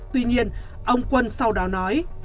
tuy nhiên ông quân sau đó nói